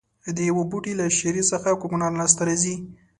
د یوه بوټي له شېرې څخه کوکنار لاس ته راځي.